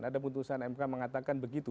ada putusan mk mengatakan begitu